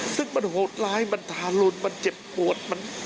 ซึ่งมันโหดร้ายมันทารุณมันเจ็บปวด